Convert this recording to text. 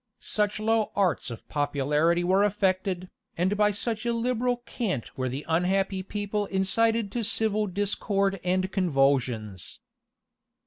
Such low arts of popularity were affected, and by such illiberal cant were the unhappy people incited to civil discord and convulsions.